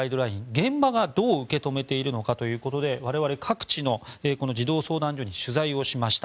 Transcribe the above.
現場がどう受け止めているのかということで我々、各地の児童相談所に取材をしました。